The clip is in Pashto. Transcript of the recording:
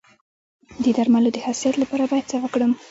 د درملو د حساسیت لپاره باید څه وکړم؟